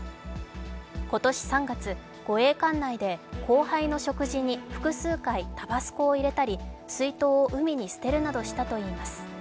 今年３月、護衛艦内で後輩の食事に複数回タバスコを入れたり、水筒を海に捨てるなどしたといいます。